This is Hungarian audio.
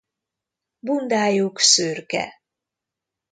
Bundájuk szürke.